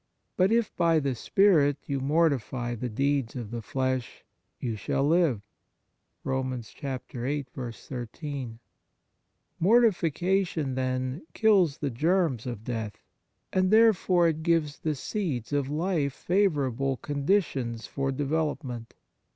But if by the spirit you mortify the deeds of the flesh, you shall live".f Mortification, then, kills the germs of death, and therefore it gives the seeds of life favourable conditions for de velopment.